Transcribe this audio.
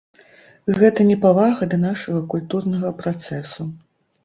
Гэта непавага да нашага культурнага працэсу.